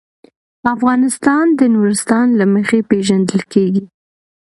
افغانستان د نورستان له مخې پېژندل کېږي.